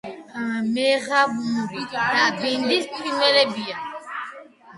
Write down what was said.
მეღამური და ბინდის ფრინველებია.